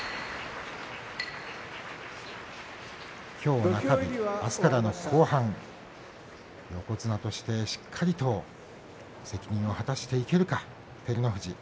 きょう中日あすからの後半横綱としてしっかりと責任を果たしていけるか照ノ富士。